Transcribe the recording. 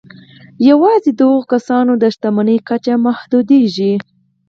یوازې د هغو کسانو د شتمني کچه محدودېږي